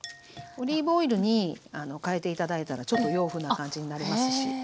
オリーブオイルに変えて頂いたらちょっと洋風な感じになりますし。